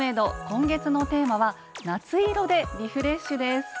今月のテーマは「夏色で、リフレッシュ」です。